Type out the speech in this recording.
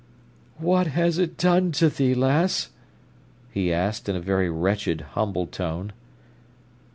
"What has it done to thee, lass?" he asked, in a very wretched, humble tone.